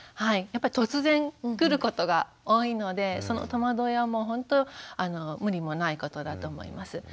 やっぱり突然来ることが多いのでその戸惑いはもうほんと無理もないことだと思います。